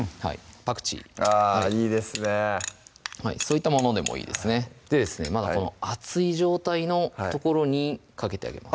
パクチーあぁいいですねそういったものでもいいですねまだこの熱い状態のところにかけてあげます